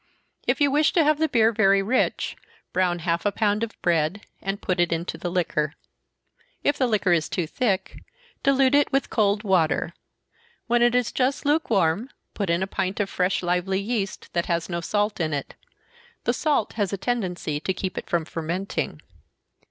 If you wish to have the beer very rich, brown half a pound of bread, and put it into the liquor. If the liquor is too thick, dilute it with cold water. When just lukewarm, put in a pint of fresh lively yeast, that has no salt in it. The salt has a tendency to keep it from fermenting.